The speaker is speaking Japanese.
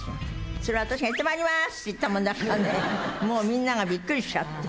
それを私が行ってまいりますって言ったもんだからね、もうみんながびっくりしちゃって。